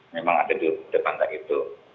memang ada di depan tak itu